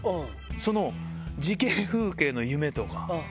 その時系風景の夢とか。